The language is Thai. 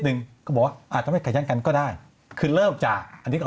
หนึ่งก็บอกว่าอาจจะไม่ขัดแย้งกันก็ได้คือเริ่มจากอันนี้ก็